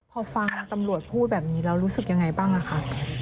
พอฟังตำรวจพูดแบบนี้แล้วรู้สึกยังไงบ้างอะคะ